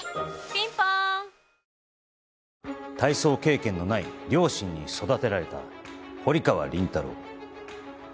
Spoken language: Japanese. ピンポーン体操経験のない両親に育てられた堀川倫太郎